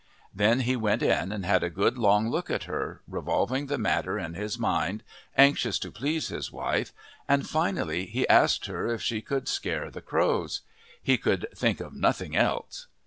Then he went in and had a good long look at her, revolving the matter in his mind, anxious to please his wife, and finally, he asked her if she could scare the crows. He could think of nothing else.